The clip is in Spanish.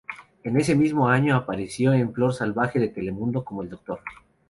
En ese mismo año apareció en Flor Salvaje, de Telemundo, como el Dr.